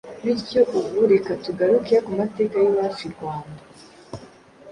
bityo ubu reka tugaruke ku mateka y’iwacu i Rwanda